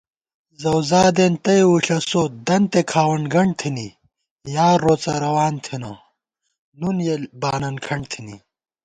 زوزادېن تئ وُݪَسوت دنتے کھاوَن گنٹ تھنی * یار روڅہ روان تھنہ نُن یېل بانن کھنٹ تھنی